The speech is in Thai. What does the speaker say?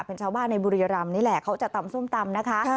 เป็นชาวบ้านในบุรีรำนี่แหละเขาจะตำส้มตำนะคะ